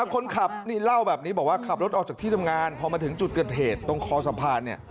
คนขับนี่เล่าแบบนี้บอกว่าขับรถออกจากที่ทำงานพอมาถึงจุดเกิดเหตุตรงคอสะพานเนี่ย